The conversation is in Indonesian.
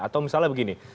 atau misalnya begini